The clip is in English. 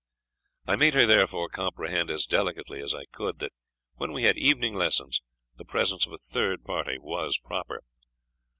I made her therefore comprehend, as delicately as I could, that when we had evening lessons, the presence of a third party was proper.